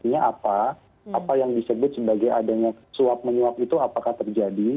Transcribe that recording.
artinya apa apa yang disebut sebagai adanya suap menyuap itu apakah terjadi